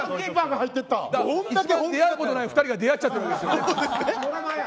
出会うことのない２人が出会っちゃったんですよ。